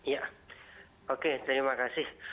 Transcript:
ya oke terima kasih